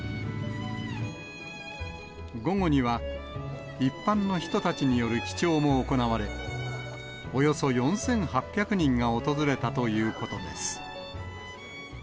午後には、一般の人たちによる記帳も行われ、およそ４８００人が訪れたということです。